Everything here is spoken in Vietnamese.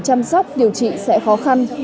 chăm sóc điều trị sẽ khó khăn